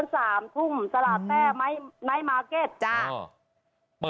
สามสิบบอโอเคไหม